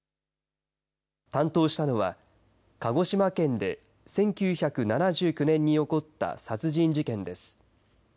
担当したのは、鹿児島県で１９７９年に起こった殺人事件です。